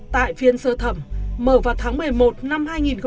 tại phiên sơ thẩm mở vào tháng một mươi một năm hai nghìn một mươi